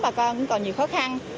bà con cũng còn nhiều khó khăn